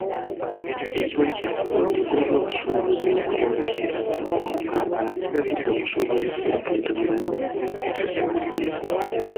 Ekiwayi kya kkooti y'ebyobusuubuzi mu kkooti enkulu mu Kampala, kiragidde omusuubuzi, Senkeeto ne bane okusesema ssente.